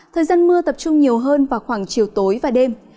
thời gian mưa tập trung nhiều hơn vào khoảng chiều tối và đêm